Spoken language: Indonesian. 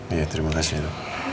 iya terima kasih dok